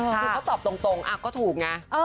ก็ตอบตรงก็ถูกไง